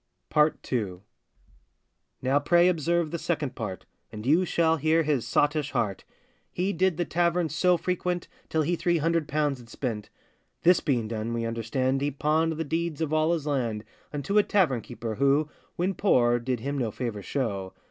PART II. Now, pray observe the second part, And you shall hear his sottish heart; He did the tavern so frequent, Till he three hundred pounds had spent. This being done, we understand He pawned the deeds of all his land Unto a tavern keeper, who, When poor, did him no favour show.